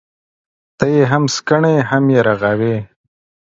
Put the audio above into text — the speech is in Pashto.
ته يې هم سکڼې ، هم يې رغوې.